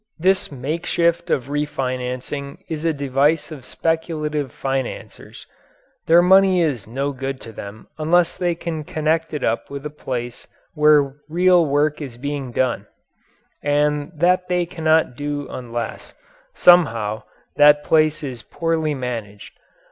This makeshift of refinancing is a device of speculative financiers. Their money is no good to them unless they can connect it up with a place where real work is being done, and that they cannot do unless, somehow, that place is poorly managed.